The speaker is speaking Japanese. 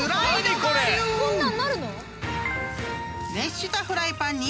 こんなんなるの？